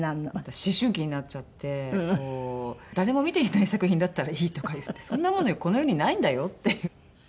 思春期になっちゃって「誰も見ていない作品だったらいい」とかいってそんなものこの世にないんだよっていう。